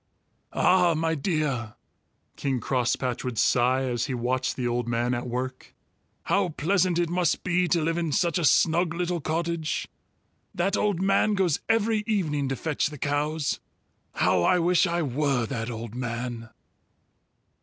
"Ah, my dear!" King Crosspatch would sigh, as he watched the old man at work. "How pleasant it must be to live in such a snug little cottage. That old man goes every evening to fetch the cows. How I wish I were that old man!"